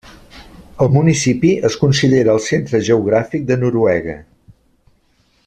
El municipi es considera el centre geogràfic de Noruega.